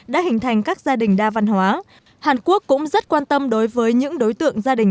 đã hình thành các gia đình đa văn hóa hàn quốc cũng rất quan tâm đối với những đối tượng gia đình